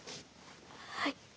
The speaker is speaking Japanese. はい。